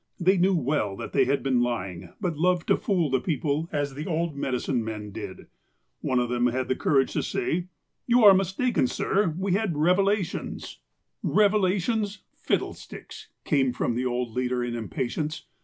They knew well that they had been lying, but loved to fool the people, as the old medicine men did. One of them had the courage to say : "You are mistaken, sir. We have had revelations." 248 THE APOSTLE OF ALASKA "Revelations fiddlesticks!" came from the old leader in impatience.